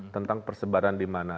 tentang persebaran di mana